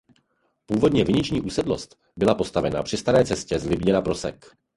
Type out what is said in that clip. Původně viniční usedlost byla postavena při staré cestě z Libně na Prosek.